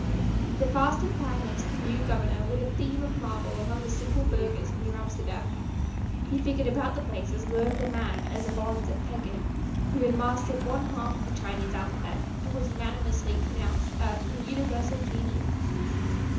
The vast acquirements of the new Governor were the theme of marvel among the simple burghers of New Amsterdam; he figured about the place as learned a man as a Bonze at Pekin, who had mastered one half of the Chinese alphabet, and was unanimously pronounced a "universal genius!"